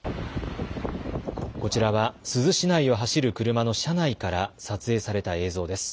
こちらは珠洲市内を走る車の車内から撮影された映像です。